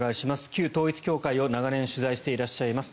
旧統一教会を長年、取材していらっしゃいます